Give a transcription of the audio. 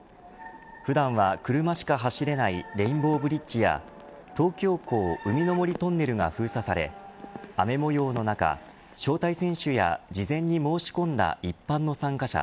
普段は車しか走れないレインボーブリッジや東京港海の森トンネルが封鎖され雨模様の中、招待選手や事前に申し込んだ一般の参加者